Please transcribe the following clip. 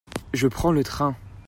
Je prends le train.